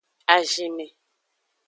Azinme.